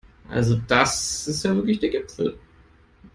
Also das ist ja wirklich der Gipfel!